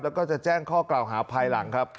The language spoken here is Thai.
แล้วก็จะแจ้งข้อกล่าวหาภายหลังครับ